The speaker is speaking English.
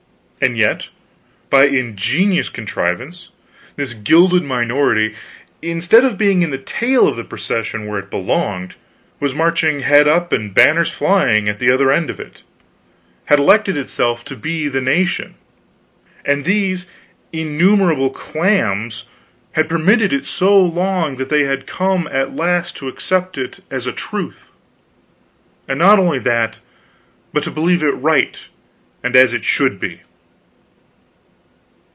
And yet, by ingenious contrivance, this gilded minority, instead of being in the tail of the procession where it belonged, was marching head up and banners flying, at the other end of it; had elected itself to be the Nation, and these innumerable clams had permitted it so long that they had come at last to accept it as a truth; and not only that, but to believe it right and as it should be.